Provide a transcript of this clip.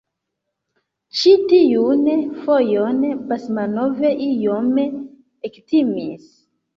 Ĉi tiun fojon Basmanov iom ektimis.